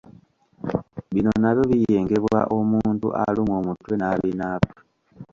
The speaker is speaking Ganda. Bino nabyo biyengebwa omuntu alumwa omutwe n'abinaaba